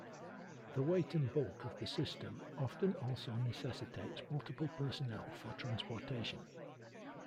The weight and bulk of the system often also necessitates multiple personnel for transportation.